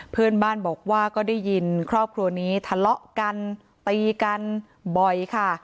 เพื่อนบ้านบอกว่าก็ได้ยินครอบครัวนี้ทะเลาะกันตีกันบ่อยค่ะ